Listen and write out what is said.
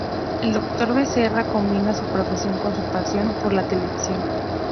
El Dr. Becerra combina su profesión con su pasión por la Televisión.